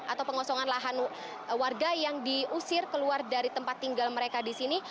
atau pengosongan lahan warga yang diusir keluar dari tempat tinggal mereka di sini